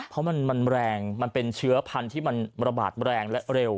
เพราะมันแรงมันเป็นเชื้อพันธุ์ที่มันระบาดแรงและเร็ว